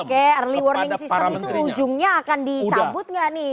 oke early warning system itu ujungnya akan dicabut nggak nih